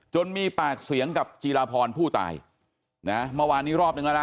มีปากเสียงกับจีราพรผู้ตายนะเมื่อวานนี้รอบนึงแล้วนะ